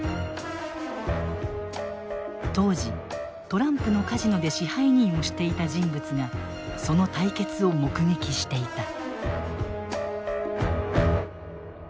当時トランプのカジノで支配人をしていた人物がその対決を目撃していた。